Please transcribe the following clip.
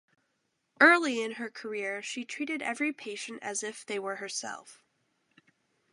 Early in her career she treated every patient as if they were herself.